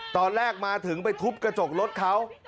ตอนแรกมาถึงไปทุบกระจกรถเขา